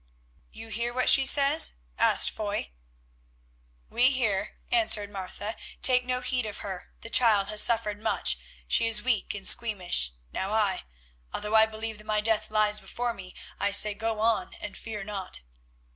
"You hear what she says?" asked Foy. "We hear," answered Martha. "Take no heed of her, the child has suffered much, she is weak and squeamish. Now I, although I believe that my death lies before me, I say, go on and fear not."